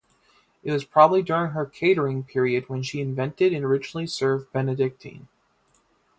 It was probably during her catering period when she invented and originally served benedictine.